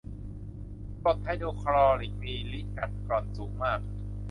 กรดไฮโดรคลอริก มีฤทธิ์กัดกร่อนสูงมาก